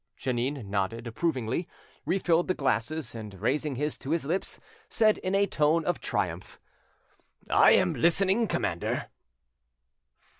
Jeannin nodded approvingly, refilled the glasses, and raising his to his lips, said in a tone of triumph— "I am listening, commander."